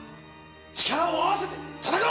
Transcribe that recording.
力を合わせて戦おう！